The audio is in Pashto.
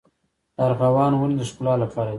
د ارغوان ونې د ښکلا لپاره دي؟